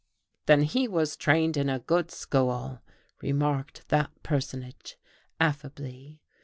"Then he was trained in a good school," remarked that personage, affably.